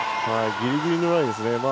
ギリギリのラインですね。